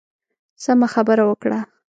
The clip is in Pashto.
سمه خبره وکړه.